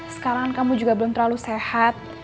sekarang kamu juga belum terlalu sehat